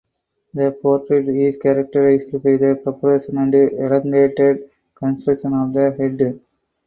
The portrait is characterized by the proportions and elongated construction of the head.